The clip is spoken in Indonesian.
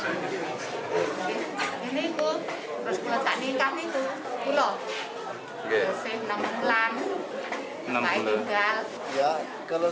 ini pun terus menikah itu puluh